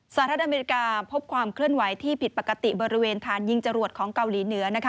สหรัฐอเมริกาพบความเคลื่อนไหวที่ผิดปกติบริเวณฐานยิงจรวดของเกาหลีเหนือ